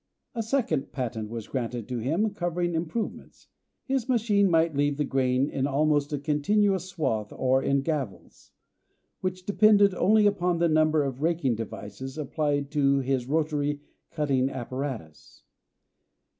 A second patent was granted to him covering improvements. His machine might leave the grain in almost a continuous swath or in gavels, which depended only upon the number of raking devices applied to his rotary cutting apparatus.